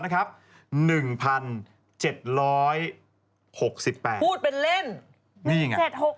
พูดเป็นเล่น